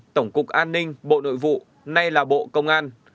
tổng cục an ninh bộ nội vụ nay là bộ công an